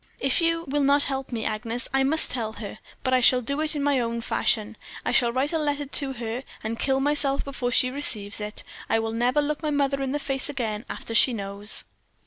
"'If you will not help me, Agnes, I must tell her, but I shall do it in my own fashion. I shall write a letter to her, and kill myself before she receives it. I will never look my mother in the face again after she knows.'